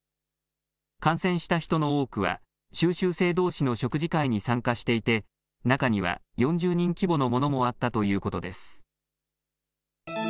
感染した人の多くは修習生どうしの食事会に参加していて、中には４０人規模のものもあったということです。